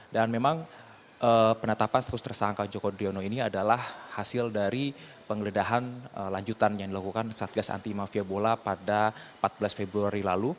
dan memang penetapan status tersangka joko driono ini adalah hasil dari pengledahan lanjutan yang dilakukan satgas anti mafia bola